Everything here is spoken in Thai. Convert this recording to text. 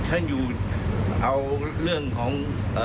ท่านอยู่เอาเรื่องของ